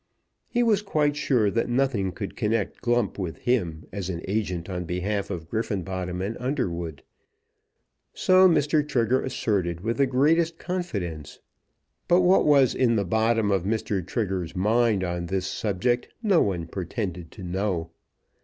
He was quite sure that nothing could connect Glump with him as an agent on behalf of Griffenbottom and Underwood. So Mr. Trigger asserted with the greatest confidence; but what was in the bottom of Mr. Trigger's mind on this subject no one pretended to know.